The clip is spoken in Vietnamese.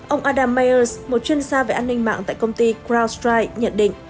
ông adam myers một chuyên gia về an ninh mạng tại công ty crowdstrike nhận định